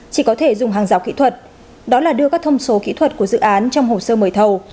chỉ có thể dùng hàng rào kỹ thuật đó là đưa các thông số kỹ thuật của dự án trong hồ sơ mời thầu